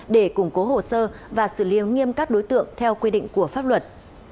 để củng cố hồ sơ và xử lý nghiêm các đối tượng theo quy định của pháp luật